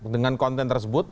dengan konten tersebut